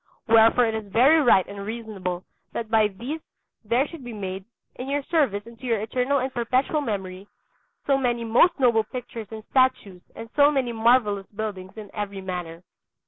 Wherefore it is very right and reasonable that by these there should be made, in your service and to your eternal and perpetual memory, so many most noble pictures and statues and so many marvellous buildings in every manner.